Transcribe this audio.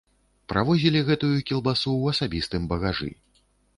Правозілі гэтую кілбасу ў асабістым багажы.